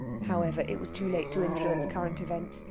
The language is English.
However, it was too late to influence current events.